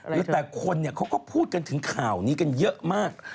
มีแต่คนเขาก็พูดกันถึงข่าวนี้กันเยอะมาก